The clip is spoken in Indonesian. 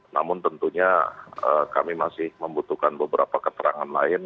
namun tentunya kami masih membutuhkan beberapa keterangan lain